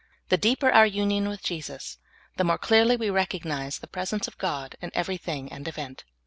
The deeper our union with Jesus, the more clearly we recognize the presence of God in ever}' thing and event.